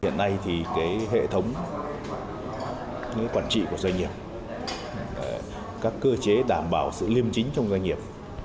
những quản trị của doanh nghiệp các cơ chế đảm bảo sự liêm chính trong doanh nghiệp